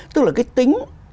tức là cái tính